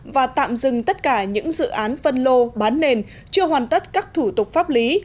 và tạm dừng tất cả những dự án phân lô bán nền chưa hoàn tất các thủ tục pháp lý